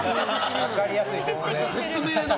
分かりやすい説明。